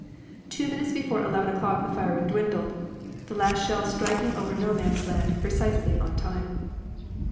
Two minutes before eleven o'clock the firing dwindled, the last shells shrieking over No Man's Land precisely on time.